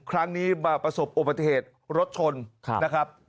ครั้งนี้มาประสบอุบัติเหตุรถชนนะครับ